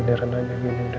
gak apa apa udah udah